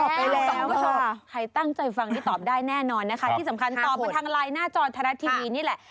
คุณผู้ชมใครตั้งใจฟังนี่ตอบได้แน่นอนนะคะที่สำคัญตอบมาทางไลน์หน้าจอไทยรัฐทีวีนี่แหละ